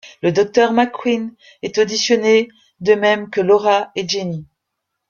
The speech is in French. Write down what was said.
Le docteur McQueen est auditionné, de même que Laura et Jenny.